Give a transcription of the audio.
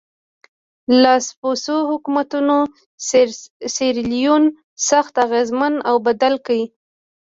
لاسپوڅو حکومتونو سیریلیون سخت اغېزمن او بدل کړ.